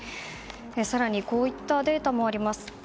更にこういったデータもあります。